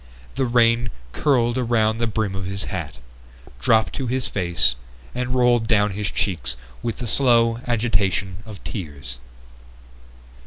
The rain curled around the brim of his hat, dropped to his face, and rolled down his cheeks with the slow agitation of tears.